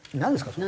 それ。